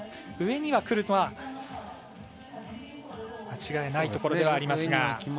上にはくるのは間違いないところですが。